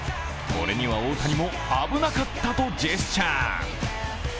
これには大谷も危なかったとジェスチャー。